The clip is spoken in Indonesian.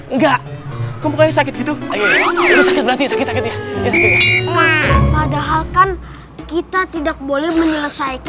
enggak kamu kayak sakit gitu ini sakit berarti sakit sakit ya padahalkan kita tidak boleh